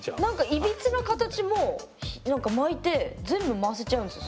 いびつな形も何か巻いて全部回せちゃうんですよ